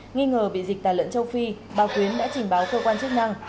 nghi ngờ bị dịch tả lợn châu phi bà quyến đã trình báo cơ quan chức năng